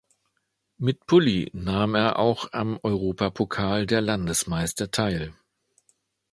Mit Pully nahm er auch am Europapokal der Landesmeister teil.